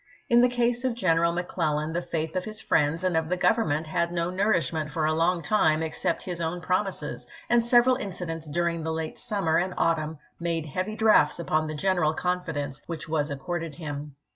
In the case of General McCleUan the faith of his friends and of the Government had no nourish ment for a long time except his own promises, and several incidents during the late summer and autumn made heavy drafts upon the general con fidence which was accorded him.